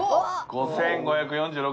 ５，５４６。